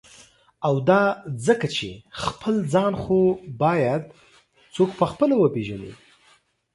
او دا ځکه چی » خپل ځان « خو باید څوک په خپله وپیژني.